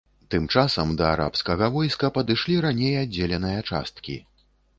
Тым часам, да арабскага войска падышлі раней аддзеленыя часткі.